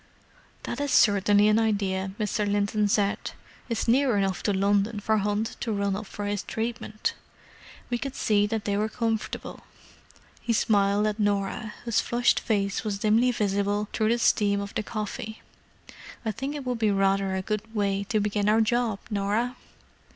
"That is certainly an idea," Mr. Linton said. "It's near enough to London for Hunt to run up for his treatment. We could see that they were comfortable." He smiled at Norah, whose flushed face was dimly visible through the steam of the coffee. "I think it would be rather a good way to begin our job, Norah."